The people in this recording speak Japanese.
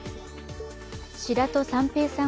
白土三平さん